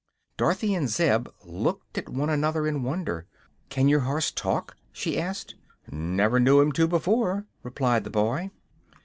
Dorothy and Zeb looked at one another in wonder. "Can your horse talk?" she asked. "Never knew him to, before," replied the boy.